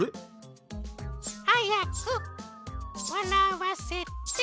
はやくっわらわせて！